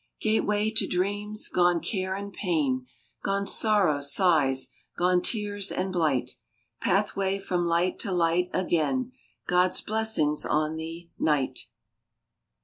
Gateway to dreams ! Gone care and pain ; Gone sorrow, sighs ; gone tears and blight ; Pathway from Light to Light again God s blessings on thee, Night!